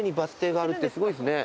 すごいですね。